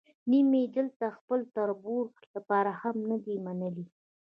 نیم یې دلته د خپل تربور لپاره هم نه دی منلی.